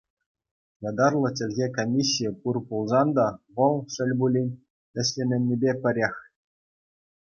Ятарлӑ чӗлхе комиссийӗ пур пулсан та, вӑл, шел пулин, ӗҫлеменнипе пӗрех.